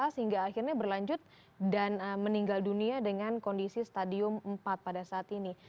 sehingga akhirnya berlanjut dan meninggal dunia dengan kondisi stadium empat pada saat ini